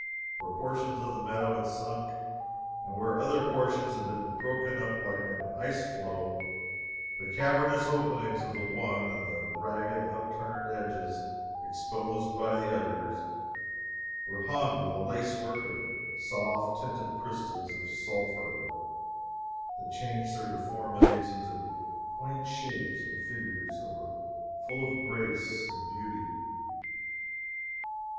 Where portions of the meadow had sunk, and where other portions had been broken up like an ice floe, the cavernous openings of the one, and the ragged upturned edges exposed by the other, were hung with a lace work of soft tinted crystals of sulphur that changed their deformities into quaint shapes and figures that were full of grace and beauty.